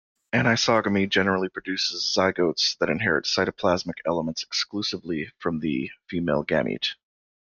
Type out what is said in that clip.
Anisogamy generally produces zygotes that inherit cytoplasmic elements exclusively from the female gamete.